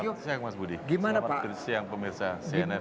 selamat siang mas budi selamat siang pemirsa cnn